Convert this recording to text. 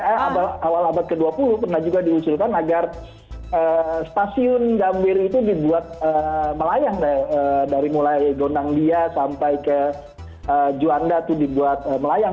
awal abad ke dua puluh pernah juga diusulkan agar stasiun gambir itu dibuat melayang dari mulai gondang dia sampai ke juanda itu dibuat melayang